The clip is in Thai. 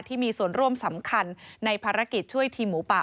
ที่มีส่วนร่วมสำคัญในภารกิจช่วยทีมหมูป่า